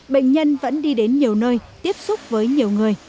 bệnh nhân vẫn đi đến nhiều nơi tiếp xúc với nhiều người